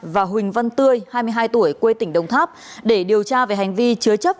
và huỳnh văn tươi hai mươi hai tuổi quê tỉnh đồng tháp để điều tra về hành vi chứa chấp